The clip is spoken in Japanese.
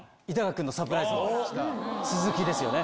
続きですよね。